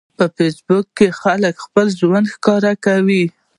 په فېسبوک کې خلک خپل ژوند ښکاره کوي.